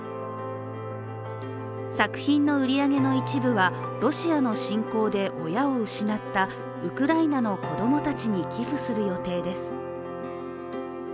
作品の売り上げの一部はロシアの侵攻で親を失ったウクライナの子供たちに寄付する予定です。